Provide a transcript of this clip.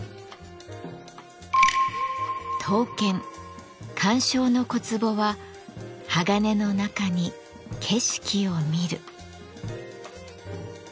刀剣鑑賞の小壺は鋼の中に景色をみる。